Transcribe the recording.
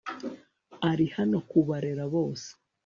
ari hano kubarera bose